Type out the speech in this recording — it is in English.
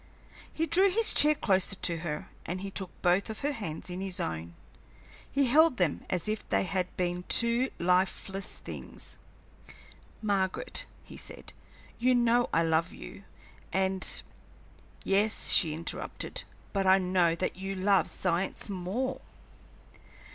He drew his chair closer to her, and he took both of her hands in his own. He held them as if they had been two lifeless things. "Margaret," he said, "you know I love you, and " "Yes," she interrupted, "but I know that you love science more."